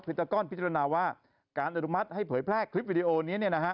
พิจารณาว่าการอนุมัติให้เผยแพร่คลิปวิดีโอนี้